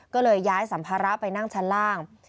ก็เลยย้ายสัมภาระไปนั่งชั้นล่าง